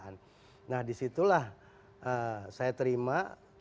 nah disitulah saya terima